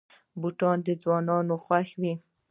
بوټونه د ځوانانو خوښ وي.